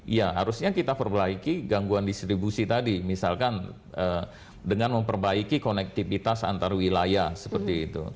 iya harusnya kita perbaiki gangguan distribusi tadi misalkan dengan memperbaiki konektivitas antar wilayah seperti itu